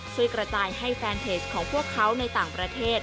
ช่วยกระจายให้แฟนเพจของพวกเขาในต่างประเทศ